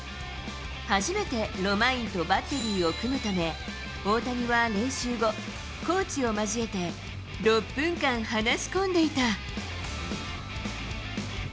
初めてロマインとバッテリーを組むため、大谷は練習後、コーチを交えて６分間話し込んでいた。